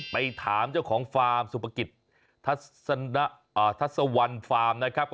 ไปถามเจ้าของฟาร์มสุปกิจทัศวรรณฟาร์มนะครับ